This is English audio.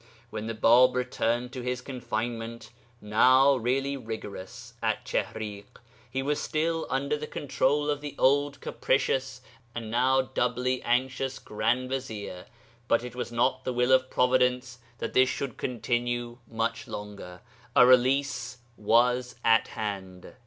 When the Bāb returned to his confinement, now really rigorous, at Chihriḳ, he was still under the control of the old, capricious, and now doubly anxious grand vizier, but it was not the will of Providence that this should continue much longer. A release was at hand.